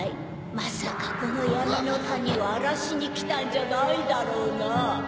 まさかこのやみのたにをあらしにきたんじゃないだろうな？